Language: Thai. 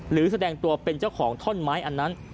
แสดงตัวเป็นเจ้าของท่อนไม้อันนั้น